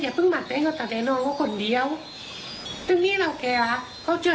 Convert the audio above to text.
และเขาไปที่นั้นขอนะฮะ